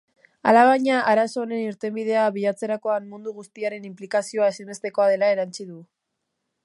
Alabaina, arazo honen irtenbidea bilatzerakoan mundu guztiaren inplikazioa ezinbestekoa dela erantsi du.